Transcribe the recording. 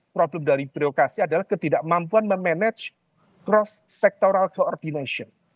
problem dari birokrasi adalah ketidakmampuan memanage cross sectoral coordination